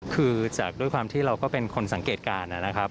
คือจากด้วยความที่เราก็เป็นคนสังเกตการณ์นะครับ